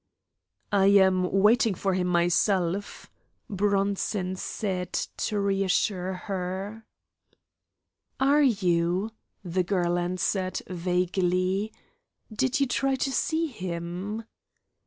"I am waiting for him myself," Bronson said, to reassure her. "Are you?" the girl answered, vaguely. "Did you try to see him?"